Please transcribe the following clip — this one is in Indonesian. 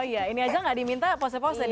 oh iya ini aja gak diminta pose pose dia